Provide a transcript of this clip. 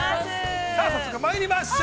◆早速まいりましょう。